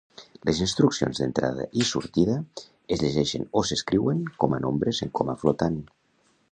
Les instruccions d'entrada i sortida es llegeixen o s'escriuen com a nombres en coma flotant.